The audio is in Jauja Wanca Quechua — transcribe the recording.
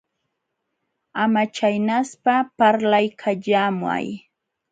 Ama chaynaspa, parlaykallaamay.